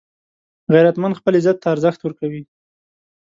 غیرتمند خپل عزت ته ارزښت ورکوي